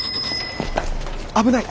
危ない！